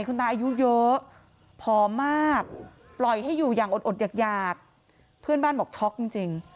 คุณตาอายุเยอะผอมมากปล่อยให้อยู่อย่างอดอยากเพื่อนบ้านบอกช็อกจริง